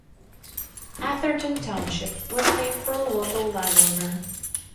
Atherton Township was named for a local landowner.